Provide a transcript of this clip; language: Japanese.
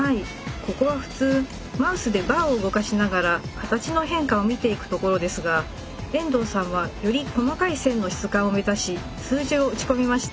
ここは普通マウスでバーを動かしながら形の変化を見ていくところですが遠藤さんはより細かい線の質感を目指し数字を打ち込みました。